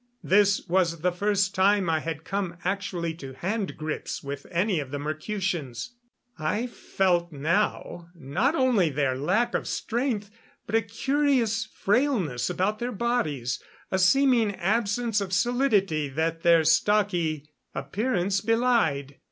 This was the first time I had come actually to hand grips with any of the Mercutians. I felt now not only their lack of strength, but a curious frailness about their bodies a seeming absence of solidity that their stocky appearance belied.